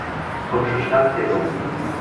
Кымшыштат седок.